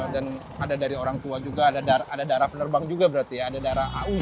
dan ada dari orang tua juga ada daerah penerbang juga berarti ya ada daerah au nya juga gitu ya